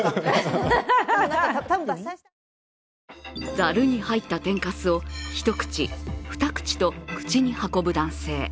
ざるに入った天かすを１口、２口と口に運ぶ男性。